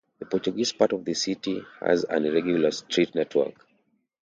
The Portuguese part of the city has an irregular street network.